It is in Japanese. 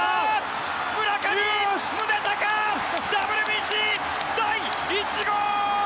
村上宗隆、ＷＢＣ第１号！